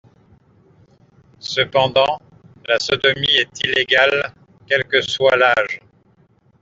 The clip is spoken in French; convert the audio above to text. Cependant la sodomie est illégale quel que soit l'âge.